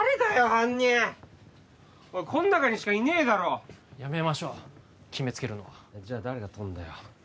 犯人こん中にしかいねえだろやめましょう決めつけるのはじゃあ誰がとんだよ